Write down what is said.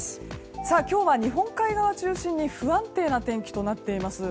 今日は日本海側中心に不安定な天気となっています。